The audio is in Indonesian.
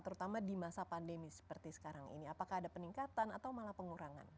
terutama di masa pandemi seperti sekarang ini apakah ada peningkatan atau malah pengurangan